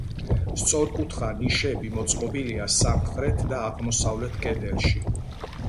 სწორკუთხა ნიშები მოწყობილია სამხრეთ და აღმოსავლეთ კედელში.